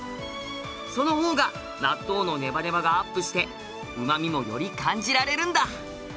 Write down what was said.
その方が納豆のネバネバがアップして旨味もより感じられるんだ。